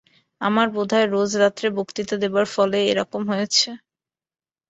আমার বোধ হয়, রোজ রাত্রে বক্তৃতা দেবার ফলেই এ-রকম হয়েছে।